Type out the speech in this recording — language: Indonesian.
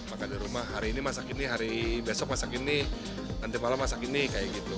makan di rumah hari ini masak ini hari besok masak ini nanti malam masak ini kayak gitu